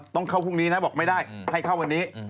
ต้องเข้าพรุ่งนี้นะบอกไม่ได้ให้เข้าวันนี้